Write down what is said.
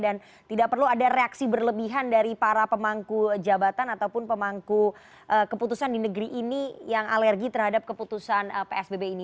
dan tidak perlu ada reaksi berlebihan dari para pemangku jabatan ataupun pemangku keputusan di negeri ini yang alergi terhadap keputusan psbb ini